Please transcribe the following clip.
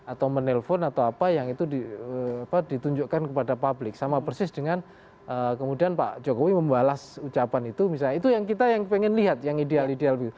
atau menelpon atau apa yang itu ditunjukkan kepada publik sama persis dengan kemudian pak jokowi membalas ucapan itu misalnya itu yang kita yang pengen lihat yang ideal ideal